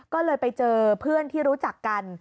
ก็เลยไปเจอเพื่อนที่รู้จักกัน